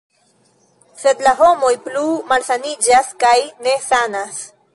Sed la homoj plu malsaniĝas kaj nesanas.